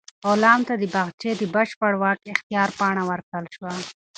غلام ته د باغچې د بشپړ واک اختیار پاڼه ورکړل شوه.